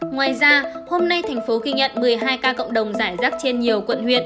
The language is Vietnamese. ngoài ra hôm nay thành phố ghi nhận một mươi hai ca cộng đồng giải rác trên nhiều quận huyện